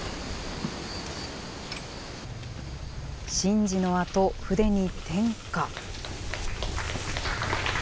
神事のあと、筆に点火。